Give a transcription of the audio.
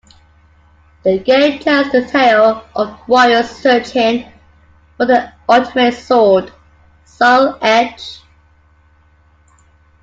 The game tells the tale of warriors searching for the ultimate sword, "Soul Edge".